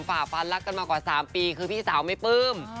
ฝ่าฟันรักกันมากว่า๓ปีคือพี่สาวไม่ปลื้ม